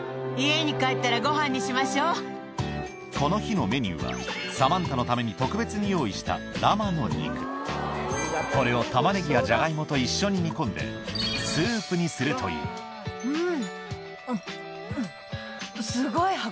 この日のメニューはサマンタのために特別に用意したこれを玉ねぎやじゃがいもと一緒に煮込んでスープにするといううん。